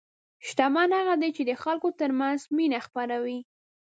شتمن هغه دی چې د خلکو ترمنځ مینه خپروي.